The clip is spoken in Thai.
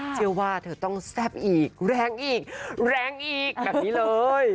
เชื่อว่าเธอต้องแซ่บอีกแรงอีกแรงอีกแบบนี้เลย